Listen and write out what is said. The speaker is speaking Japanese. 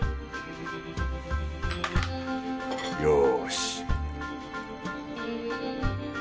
よし